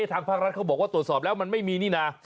ทางภาครัฐเขาบอกว่าตรวจสอบแล้วมันไม่มีนี่นะ